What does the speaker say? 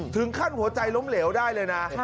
ถึงขั้นหัวใจล้มเหลวได้เลยนะ